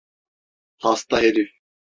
Hasta herif!